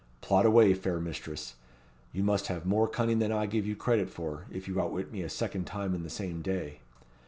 Plot away, fair mistress; you must have more cunning than I give you credit for, if you outwit me a second time in the same day.